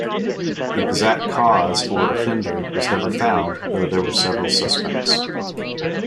The exact cause, or offender, was never found, though there were several suspects.